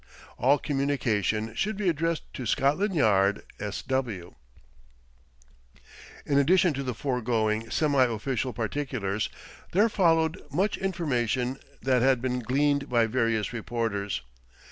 "All communications should be addressed to Scotland Yard, S.W." In addition to the foregoing semi official particulars, there followed much information that had been gleaned by various reporters.